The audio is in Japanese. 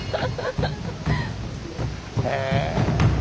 へえ。